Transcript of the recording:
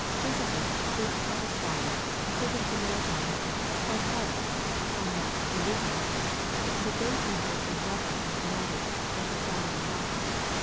Josephus speaks of the slaughter of certain Samaritans by Pilate upon mount Gerizim. But they seem to have been rebels and fanatics, and to have died in battle.